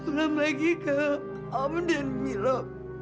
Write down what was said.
belum lagi kalau om dan milo